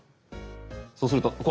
そうするとここ！